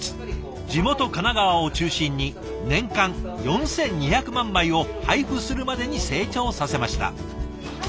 地元神奈川を中心に年間４，２００万枚を配布するまでに成長させました。